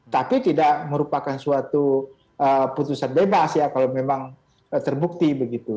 tapi tidak merupakan suatu putusan bebas ya kalau memang terbukti begitu